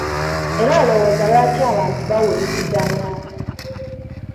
Era olwooza lwaki abantu bawuliziganya?